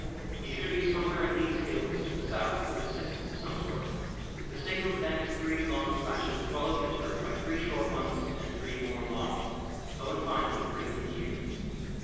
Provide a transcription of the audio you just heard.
"He should be somewhere in these hills to the south with assistance of some sort. The signal to them is three long flashes followed in turn by three short ones and three more long. Go and find them and bring them here.